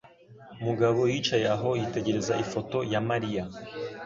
Mugabo yicaye aho, yitegereza ifoto ya Mariya.